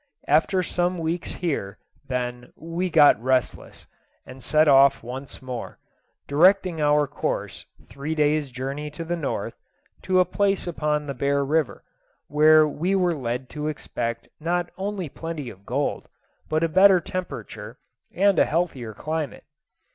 After some weeks here, then, we got restless, and set off once more, directing our course three days' journey to the north, to a place upon the Bear River, where we were led to expect not only plenty of gold, but a better temperature and a healthier climate.